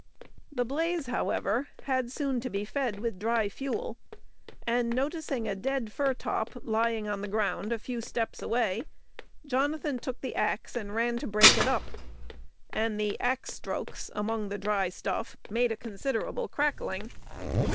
The blaze, however, had soon to be fed with dry fuel, and noticing a dead firtop lying on the ground a few steps away, Jonathan took the axe and ran to break it up; and the axe strokes among the dry stuff made a considerable crackling.